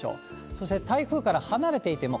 そして、台風から離れていても、